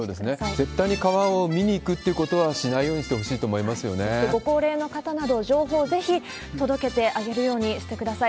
絶対に川を見に行くということはしないようにしてほしいと思いまそしてご高齢の方など、情報をぜひ届けてあげるようにしてください。